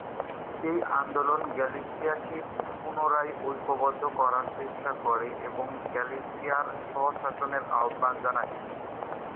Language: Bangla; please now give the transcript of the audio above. এই আন্দোলন গালিসিয়াকে পুনরায় ঐক্যবদ্ধ করার চেষ্টা করে এবং গালিসিয়ার স্ব-শাসনের আহ্বান জানায়।